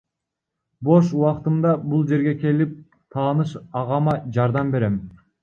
Бош убактымда бул жерге келип, тааныш агама жардам берем.